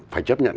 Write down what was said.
phải chấp nhận